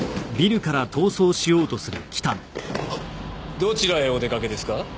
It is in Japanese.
どちらへおでかけですか？